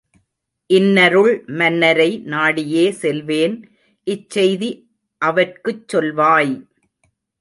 இன்னருள் மன்னரை நாடியே செல்வேன் இச்செய்தி அவற்குச் சொல்வாய்!